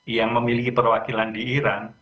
yang memiliki perwakilan di iran